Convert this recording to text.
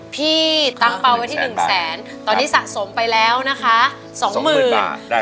พี่ตั้งเป้าไว้ที่๑แสนตอนนี้สะสมไปแล้วนะคะสองหมื่น